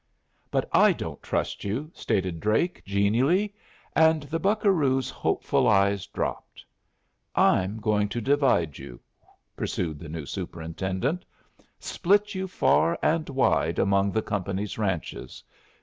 "But I don't trust you," stated Drake, genially; and the buccaroos' hopeful eyes dropped. "I'm going to divide you," pursued the new superintendent. "Split you far and wide among the company's ranches.